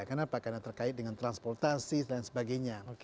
kenapa karena terkait dengan transportasi dan sebagainya